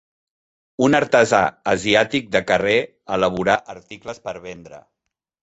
Un artesà asiàtic de carrer elaborar articles per vendre.